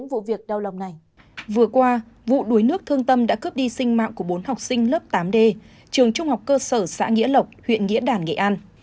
vụ đuối nước thương tâm đã cướp đi sinh mạng của bốn học sinh lớp tám d trường trung học cơ sở xã nghĩa lộc huyện nghĩa đản nghệ an